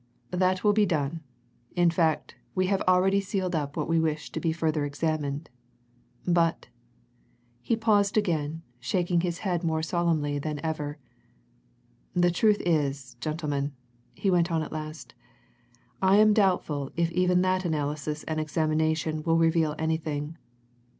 That will be done in fact, we have already sealed up what we wish to be further examined. But" he paused again, shaking his head more solemnly than ever "the truth is, gentlemen," he went on at last, "I am doubtful if even that analysis and examination will reveal anything.